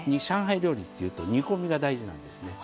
料理っていうと煮込みが大事なんですね。